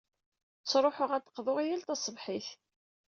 Ttruḥeɣ ad d-qḍuɣ yal taṣebḥit.